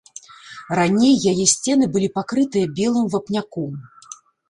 Раней яе сцены былі пакрытыя белым вапняком.